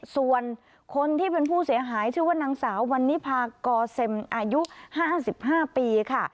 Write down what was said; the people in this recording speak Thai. ส่วนคนที่เป็นผู้เสียหายชื่อว่านางสาววันนิพากอเซ็มอายุ๕๕ปีค่ะ